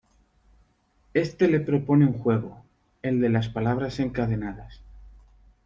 Este le propone un juego: el de las Palabras encadenadas.